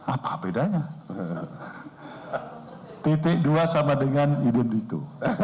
apa bedanya titik dua sama dengan idem itu